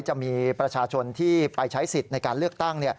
จะมีประชาชนที่ไปใช้สิทธิ์ในการเลือกตั้ง